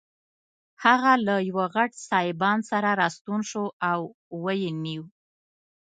هغه له یوه غټ سایبان سره راستون شو او ویې نیو.